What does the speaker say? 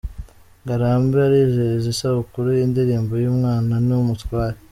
Ngarambe arizihiza isabukuru y’indirimbo ye Umwana ni Umutware